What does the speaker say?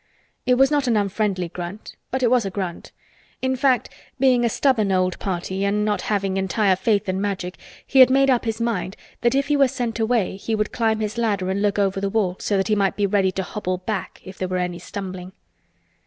It was not an unfriendly grunt, but it was a grunt. In fact, being a stubborn old party and not having entire faith in Magic he had made up his mind that if he were sent away he would climb his ladder and look over the wall so that he might be ready to hobble back if there were any stumbling.